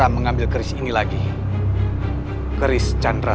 di indonesia terhadap adik bettina buasgeri